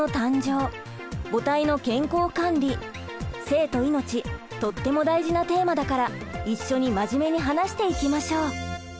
性と命とっても大事なテーマだから一緒に真面目に話していきましょう。